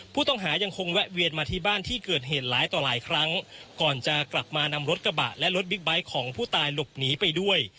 ผู้ต้องหายังคงแวะเวียนมาที่บ้านที่เกิดเหตุหลายต่อหลายครั้งก่อนจะกลับมานำรถกระบะและรถบิ๊กไบท์ของผู้ตายหลบหนีไปด้วย